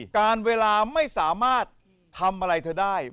การเวลาไม่สามารถทำอะไรเธอได้